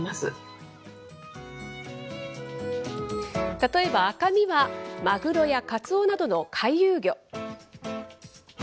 例えば赤身はマグロやカツオなどの回遊魚。